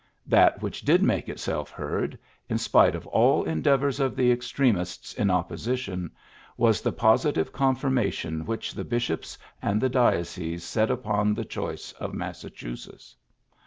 That which did make itself heard, in spite of all endeavors of the extremists in oi^position, was the positive confirmation which the bishops and the dioceses set upon the choice of Massa chusetts.